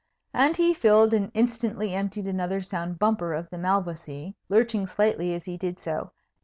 And he filled and instantly emptied another sound bumper of the Malvoisie, lurching slightly as he did so.